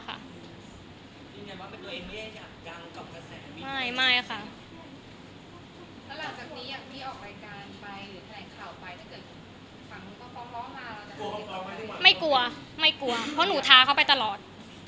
ค่ะไม่ไม่ไม่กลัวไม่กลัวเพราะหนูท้าเขาไปตลอด